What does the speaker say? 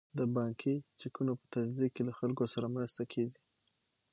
د بانکي چکونو په تصدیق کې له خلکو سره مرسته کیږي.